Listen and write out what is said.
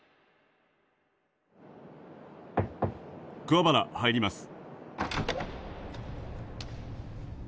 桑原入ります。